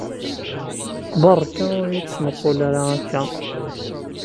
Beṛka ur iyi-d-ttmuqqul ara akka.